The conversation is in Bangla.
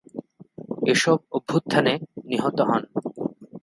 এসব অভ্যুত্থানে নিহত হন।